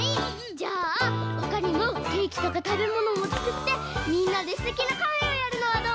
じゃあほかにもケーキとかたべものもつくってみんなですてきなカフェをやるのはどう？